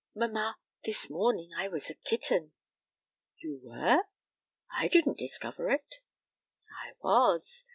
Mamma, this morning I was a kitten." "You were? I didn't discover it." "I was.